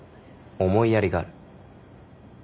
思いやりがある。